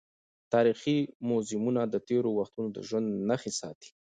تاریخي موزیمونه د تېرو وختونو د ژوند نښې ساتي.